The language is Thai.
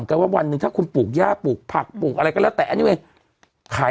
ก็ว่าวันนึงถ้าคุณปลูกย่าปลูกผักปลูกอะไรก็แล้วแต่